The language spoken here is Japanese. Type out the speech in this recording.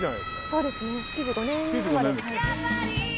そうですね９５年生まれ。